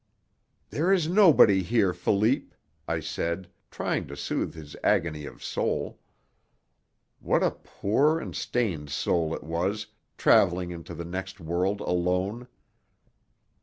"There is nobody here, Philippe," I said, trying to soothe his agony of soul. What a poor and stained soul it was, travelling into the next world alone!